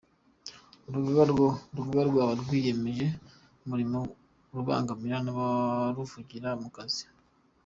Urugaga rwaba rwiyemeza mirimo rubangamiwe n’abaruvangira mu kazi